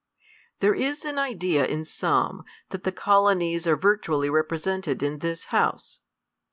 There is aii idea in some, that the Colonies are vir tually represented in this House.